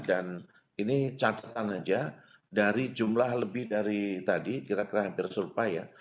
dan ini catatan saja dari jumlah lebih dari tadi kira kira hampir serupa ya